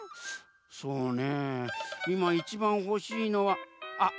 そうねいまいちばんほしいのはあっ